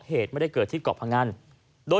เธอเล่าต่อนะครับ